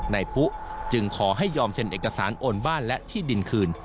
ปุ๊จึงขอให้ยอมเซ็นเอกสารโอนบ้านและที่ดินคืน